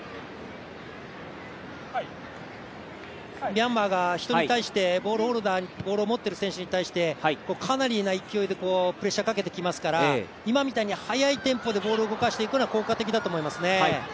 ミャンマーが人に対してボールホルダー、ボールを持っている選手に対してかなりな勢いでプレッシャーかけてきますから今みたいに速いテンポでボールを動かしていくのは効果的だと思いますね。